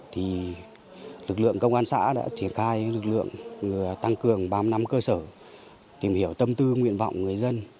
thì lực lượng công an xã đã triển khai lực lượng tăng cường ba mươi năm cơ sở tìm hiểu tâm tư nguyện vọng người dân